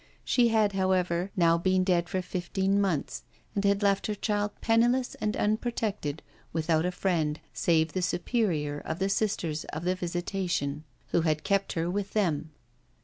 She had, however, now been dead for fifteen months, and had left her child penniless and unprotected, without a friend, save the Superior of the Sisters of the Visitation, who had kept her with them.